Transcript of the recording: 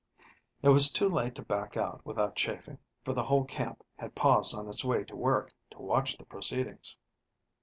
It was too late to back out without chaffing, for the whole camp had paused on its way to work, to watch the proceedings.